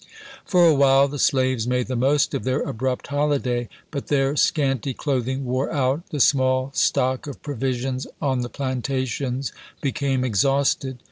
For a while the slaves made the most of their abrupt holiday. But their scanty clothing wore out; the small stock of provisions on the planta tions became exhausted.